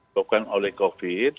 bukan oleh covid sembilan belas